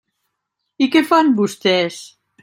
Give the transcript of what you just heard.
I què fan vostès?